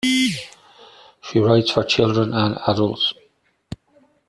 She writes for children and adults.